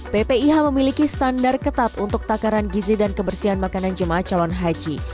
ppih memiliki standar ketat untuk takaran gizi dan kebersihan makanan jemaah calon haji